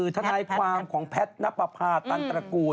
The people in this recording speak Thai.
ทนายความของแพทย์นับประพาตันตระกูล